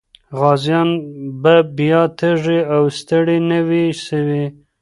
غازيان به بیا تږي او ستړي نه وي سوي.